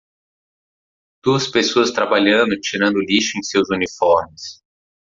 Duas pessoas trabalhando tirando o lixo em seus uniformes.